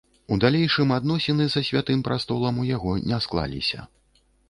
У далейшым адносіны са святым прастолам у яго не склаліся.